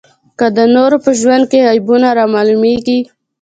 که د نورو په ژوند کې عیبونه رامعلومېږي.